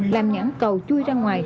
làm nhãn cầu chui ra ngoài